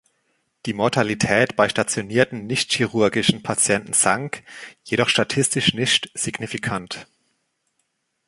Die Mortalität bei stationierten nicht-chirurgischen Patienten sank, jedoch statistisch nicht signifikant.